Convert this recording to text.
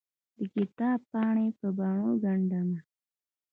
دکتاب پاڼې په بڼو ګنډ مه